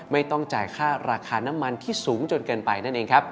ไม่ต้องจ่ายค่าราคาน้ำมันที่สูงจนเกินไปนั่นเองครับ